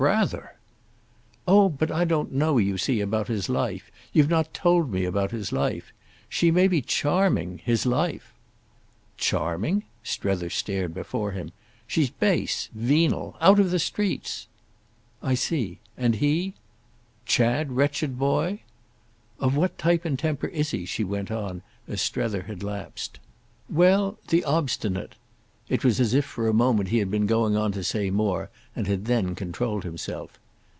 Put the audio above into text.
Rather!" "Oh but I don't know, you see, about his life; you've not told me about his life. She may be charming—his life!" "Charming?"—Strether stared before him. "She's base, venal—out of the streets." "I see. And he—?" "Chad, wretched boy?" "Of what type and temper is he?" she went on as Strether had lapsed. "Well—the obstinate." It was as if for a moment he had been going to say more and had then controlled himself.